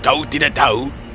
kau tidak tahu